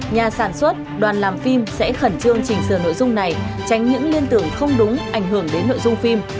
nhà sản xuất đoàn làm phim sẽ khẩn trương chỉnh sửa nội dung này tránh những liên tưởng không đúng ảnh hưởng đến nội dung phim